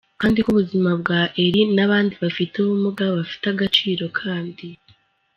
kandi ko ubuzima bwa Eli nabandi bafite ubumuga, bafite agaciro kandi.